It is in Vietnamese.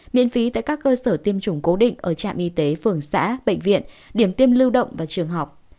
miễn phí tại các cơ sở tiêm chủng cố định ở trạm y tế phường xã bệnh viện điểm tiêm lưu động và trường học